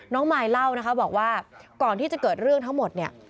มายเล่านะคะบอกว่าก่อนที่จะเกิดเรื่องทั้งหมดเนี่ย